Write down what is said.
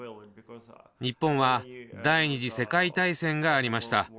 日本は第２次世界大戦がありました。